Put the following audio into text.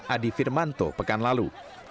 adi firmanto pekan lalu